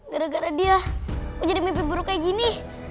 gara gara dia mau jadi mimpi buruk kayak gini